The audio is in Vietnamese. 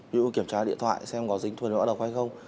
ví dụ kiểm tra điện thoại xem có dính thuần mạng đọc hay không